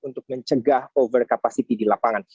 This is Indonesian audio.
untuk mencegah overcapacity di lapangan